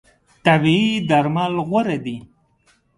طبیعي درمل غوره دي.